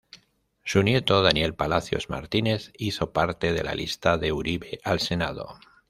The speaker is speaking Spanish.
Su nieto, Daniel Palacios Martínez hizo parte de la lista de Uribe al senado.